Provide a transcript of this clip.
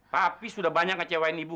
papi sudah banyak kecewain ibu